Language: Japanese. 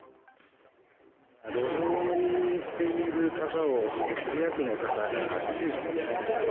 路上飲みしている方を、渋谷区の方が注意しています。